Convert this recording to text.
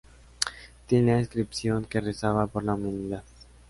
Tenía la inscripción que rezaba: ""Por la Humanidad"".